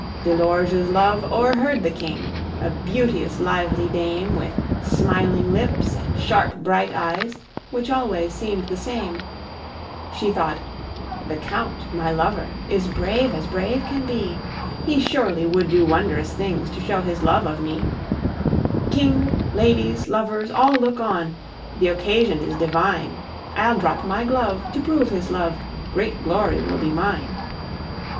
De Lorge's love o'erheard the King, a beauteous lively dame With smiling lips and sharp, bright eyes, which always seem'd the same: She thought, "The Count, my lover, is brave as brave can be; He surely would do wondrous things to show his love of me; King, ladies, lovers, all look on; the occasion is divine; I'll drop my glove, to prove his love; great glory will be mine."